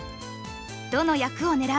どの役を狙うのか？